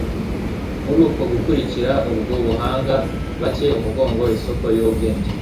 Muri uko gukurikira ubwo buhanga, batcye umugongo isoko y'ubwenge.